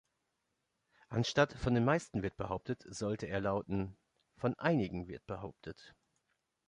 Anstatt ‚von den meisten wird behauptet’ sollte er lauten ‚von einigen wird behauptet’.